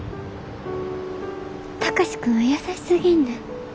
貴司君は優しすぎんねん。